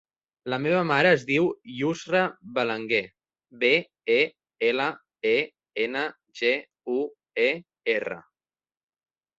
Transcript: La meva mare es diu Yousra Belenguer: be, e, ela, e, ena, ge, u, e, erra.